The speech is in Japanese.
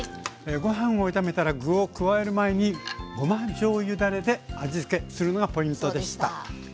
ご飯を炒めたら具を加える前にごまじょうゆだれで味つけするのがポイントでした。